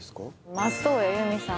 松任谷由実さん。